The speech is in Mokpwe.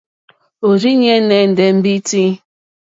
Òrzìɲɛ́ nɛ́ndɛ̀ mbîtí.